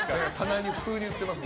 普通に売ってます。